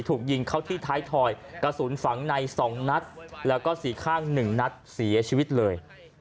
ถูกยิงเข้าที่ท้ายถอยกระสุนฝังใน๒นัดแล้วก็สี่ข้าง๑นัดเสียชีวิตเลย